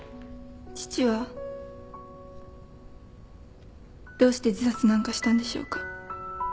父はどうして自殺なんかしたんでしょうか？